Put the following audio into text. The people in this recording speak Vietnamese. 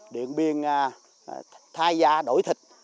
điện biên thay da đổi thịt